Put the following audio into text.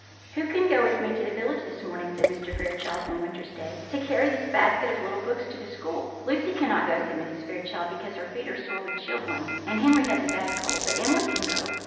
"] "Who can go with me to the village this morning," said Mr. Fairchild, one winter's day, "to carry this basket of little books to the school?" "Lucy cannot go," said Mrs. Fairchild, "because her feet are sore with chilblains, and Henry has a bad cold; but Emily can go."